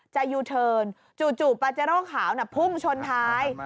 ยูเทิร์นจู่ปาเจโร่ขาวพุ่งชนท้าย